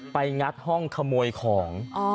งัดห้องขโมยของ